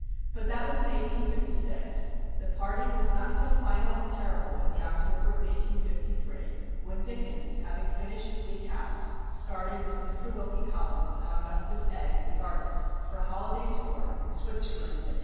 But that was in 1856. The parting was not so final and terrible in the October of 1853, when Dickens, having finished "Bleak House," started with Mr. Wilkie Collins, and Augustus Egg, the artist, for a holiday tour in Switzerland and Italy.